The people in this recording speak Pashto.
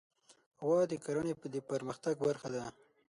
غوا د کرهڼې د پرمختګ برخه ده.